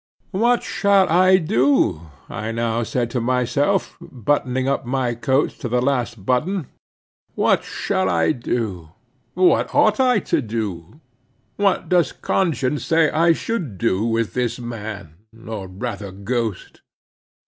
What shall I do? I now said to myself, buttoning up my coat to the last button. What shall I do? what ought I to do? what does conscience say I should do with this man, or rather ghost.